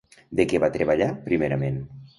De què va treballar primerament?